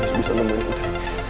aku harus bisa nemuin putri